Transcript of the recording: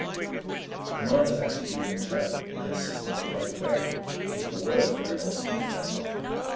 The commander's attitude and tone were consistently overbearing, if his words were inaudible to Lanyard.